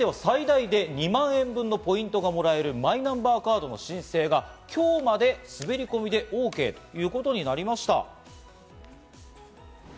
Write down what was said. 続いては最大で２万円分のポイントがもらえるマイナンバーカードの申請が今日まで滑り込みでＯＫということになりました。